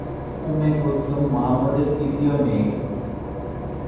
উম্মে কুলসুম মুহাম্মাদের তৃতীয় মেয়ে।